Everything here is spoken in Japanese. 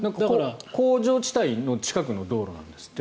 ここ、工場地帯の近くの道路なんですって。